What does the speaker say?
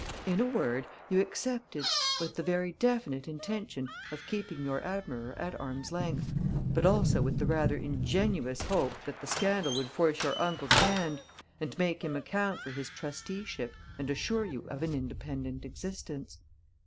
in a word, you accepted with the very definite intention of keeping your admirer at arm's length, but also with the rather ingenuous hope that the scandal would force your uncle's hand and make him account for his trusteeship and assure you of an independent existence.